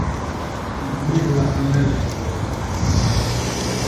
A mbéblaha me likondo yañga.